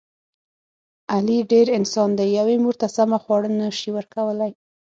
علي ډېر..... انسان دی. یوې مور ته سمه خواړه نشي ورکولی.